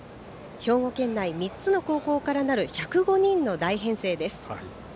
兵庫県内３つの高校からなる１０５人の大編成です。